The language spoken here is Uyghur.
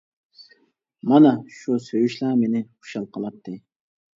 مانا شۇ سۆيۈشلا مېنى خۇشال قىلاتتى.